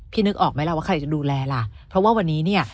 นึกออกไหมล่ะว่าใครจะดูแลล่ะเพราะว่าวันนี้เนี่ย